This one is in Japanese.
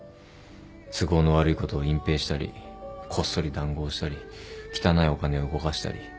都合の悪いことを隠蔽したりこっそり談合したり汚いお金を動かしたり。